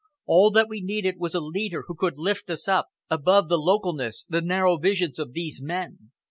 All that we needed was a leader who could lift us up above the localness, the narrow visions of these men.